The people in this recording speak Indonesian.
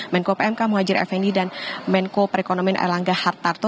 menko pmk muhajir effendi dan menko perekonomian erlangga hartarto